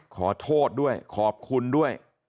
ขอโทษด้วยขอบคุณด้วย